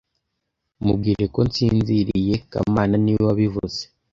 Mubwire ko nsinziriye kamana niwe wabivuze